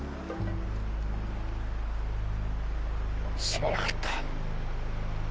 すまなかった。